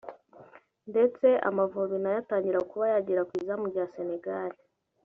ndetse Amavubi nayo atangira kuba yagera ku izamu rya Senegal